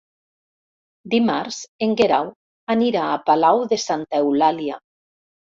Dimarts en Guerau anirà a Palau de Santa Eulàlia.